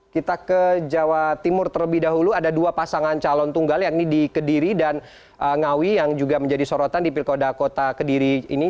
kita ke jawa timur terlebih dahulu ada dua pasangan calon tunggal yang ini di kediri dan ngawi yang juga menjadi sorotan di pilkada kota kediri ini